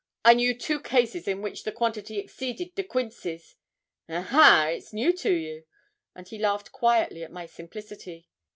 I knew two cases in which the quantity exceeded De Quincy's. Aha! it's new to you?' and he laughed quietly at my simplicity.